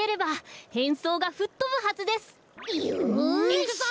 いくぞ！